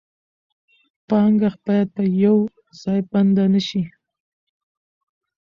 پانګه باید په یو ځای بنده نشي.